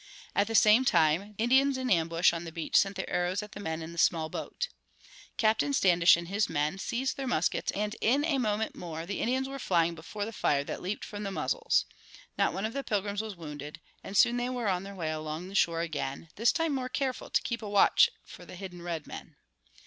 At the same time Indians in ambush on the beach sent their arrows at the men in the small boat. Captain Standish and his men seized their muskets and in a moment more the Indians were flying before the fire that leaped from the muzzles. Not one of the Pilgrims was wounded, and soon they were on their way along the shore again, this time more careful to keep a watch for the hidden redmen.